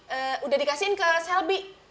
eh udah dikasihin ke shelby